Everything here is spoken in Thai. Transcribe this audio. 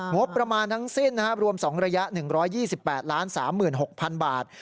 งบประมาณทั้งสิ้นรวม๒ระยะ๑๒๘๓๖๐๐๐บาท